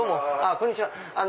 こんにちは。